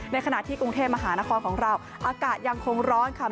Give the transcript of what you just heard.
ขณะที่กรุงเทพมหานครของเราอากาศยังคงร้อนค่ะ